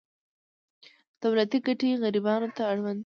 دولتي ګټې غریبانو ته اړوند دي.